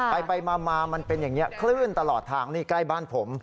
ไปมามันเป็นอย่างนี้คลื่นตลอดทางนี่ใกล้บ้านผม